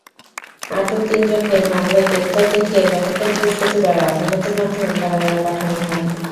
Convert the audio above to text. আটক তিনজনকে মামলায় গ্রেপ্তার দেখিয়ে গতকাল বৃহস্পতিবার আদালতের মাধ্যমে কারাগারে পাঠানো হয়।